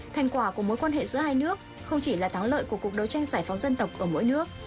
thành quả của mối quan hệ giữa hai nước không chỉ là thắng lợi của cuộc đấu tranh giải phóng dân tộc ở mỗi nước